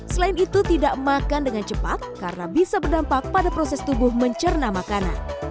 selain itu tidak makan dengan cepat karena bisa berdampak pada proses tubuh mencerna makanan